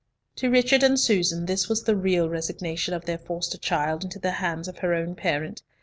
To Richard and Susan this was the real resignation of their foster child into the hands of her own parent.